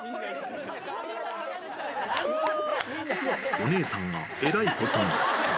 お姉さんがえらいことに。